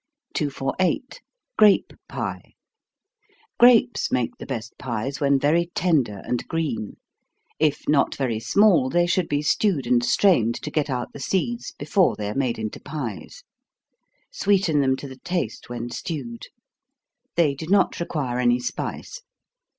248. Grape Pie. Grapes make the best pies when very tender and green. If not very small, they should be stewed and strained, to get out the seeds, before they are made into pies sweeten them to the taste when stewed. They do not require any spice.